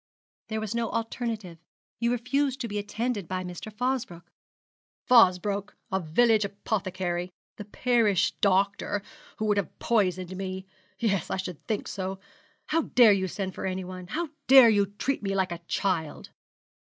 'There was no alternative; you refused to be attended by Mr. Fosbroke.' 'Fosbroke a village apothecary, the parish doctor, who would have poisoned me. Yes, I should think so. How dare you send for anyone? How dare you treat me like a child?'